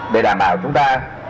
để đảm bảo chúng ta